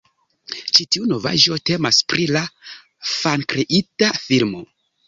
Ĉi tiu novaĵo temas pri la fankreita filmo